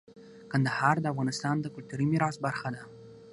کندهار د افغانستان د کلتوري میراث برخه ده.